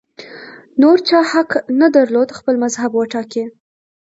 نور چا حق نه درلود خپل مذهب وټاکي